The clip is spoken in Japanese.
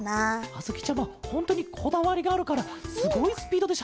あづきちゃまほんとにこだわりがあるからすごいスピードでしゃべるケロね。